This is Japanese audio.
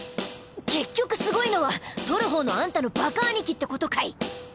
結局すごいのは捕る方のあんたのバカ兄貴ってことかい！？